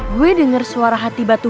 gue denger suara hati batu batu